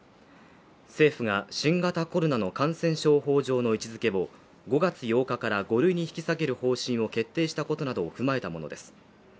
政府が新型コロナの感染症法上の位置付けを５月８日から５類に引き下げる方針を決定したことなどを踏まえたものです。